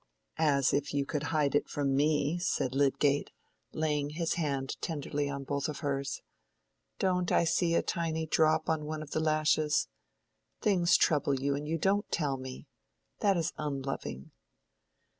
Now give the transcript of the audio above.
"As if you could hide it from me!" said Lydgate, laying his hand tenderly on both of hers. "Don't I see a tiny drop on one of the lashes? Things trouble you, and you don't tell me. That is unloving."